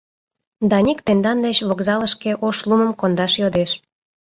Даник тендан деч вокзалышке Ошлумым кондаш йодеш.